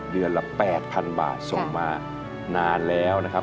เดือนละ๘๐๐๐บาทส่งมานานแล้วนะครับ